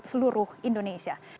terima kasih pak